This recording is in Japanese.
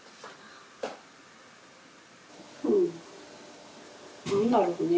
うん。